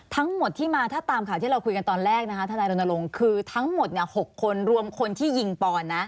ทั้งหมดที่มาถ้าตามข่าวที่เราคุยกันตอนแรกนะคะทนายรณรงค์คือทั้งหมด๖คนรวมคนที่ยิงปอนนะ